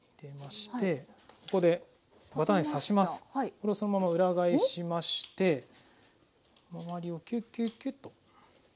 これをそのまま裏返しまして周りをキュッキュッキュッと。